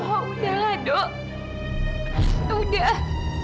tidak edo sudahlah do sudahlah